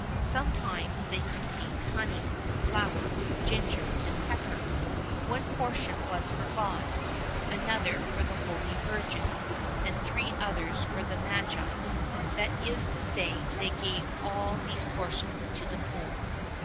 Sometimes they contained honey, flour, ginger, and pepper. One portion was for God, another for the Holy Virgin, and three others for the Magi; that is to say, they gave all these portions to the poor.